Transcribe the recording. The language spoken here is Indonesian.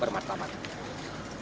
jadi ini adalah hal yang bermakna makna